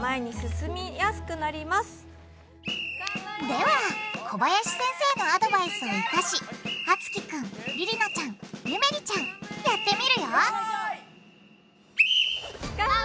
では小林先生のアドバイスを生かしあつきくんりりなちゃんゆめりちゃんやってみるよよい！